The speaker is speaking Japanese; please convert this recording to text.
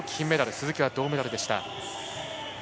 鈴木は銅メダルでした。